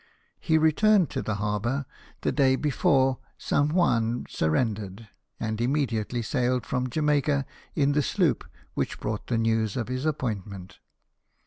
He returned to the harbour the day before St. Juan surrendered, and immediately sailed from Jamaica in the sloop Avhich brought the news of his appointment.